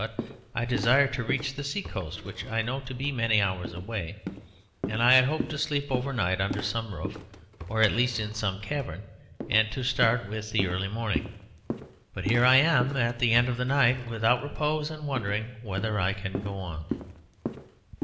But I desire to reach the sea coast, which I know to be many hours away, and I had hoped to sleep overnight under some roof or at least in some cavern, and to start with the early morning; but here I am, at the end of the night, without repose and wondering whether I can go on."